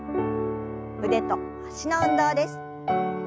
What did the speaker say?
腕と脚の運動です。